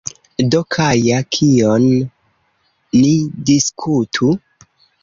Do Kaja, kion ni diskutu?